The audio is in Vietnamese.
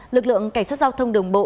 lực lượng cảnh sát giao thông đường bộ